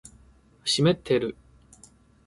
湿ってる